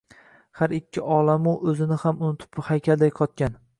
Har ikki olamu oʼzini ham unutib haykalday qotgan